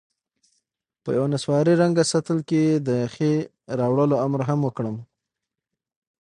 په یوه نسواري رنګه سطل کې د یخې راوړلو امر هم وکړم.